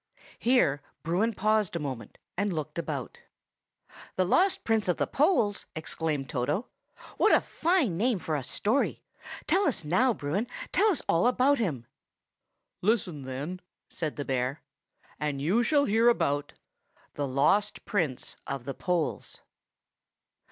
Here Bruin paused a moment and looked about. "The Lost Prince of the Poles!" exclaimed Toto. "What a fine name for a story! Tell us now, Bruin; tell us all about him." "Listen, then," said the bear, "and you shall hear about THE LOST PRINCE OF THE POLES.